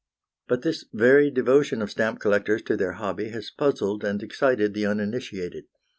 But this very devotion of stamp collectors to their hobby has puzzled and excited the uninitiated.